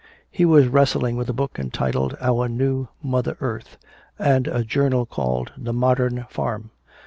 He was wrestling with a book entitled "Our New Mother Earth" and a journal called "The Modern Farm."